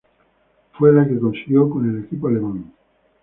Fue la que consiguió con el equipo alemán.